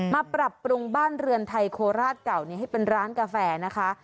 ปรับปรุงบ้านเรือนไทยโคราชเก่านี้ให้เป็นร้านกาแฟนะคะ